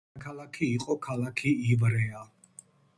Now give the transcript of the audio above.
მისი დედაქალაქი იყო ქალაქი ივრეა.